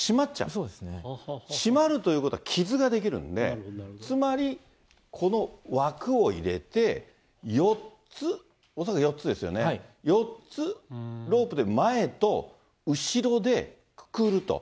締まるということは傷が出来るんで、つまり、この枠を入れて４つ、恐らく４つですよね、４つ、ロープで前と後ろでくくると。